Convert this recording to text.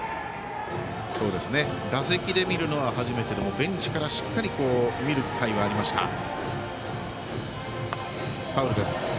打席で見るのは初めてでもベンチからしっかり見る機会はありました。